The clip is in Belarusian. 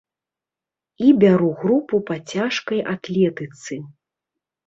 І бяру групу па цяжкай атлетыцы.